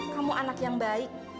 kamu anak yang baik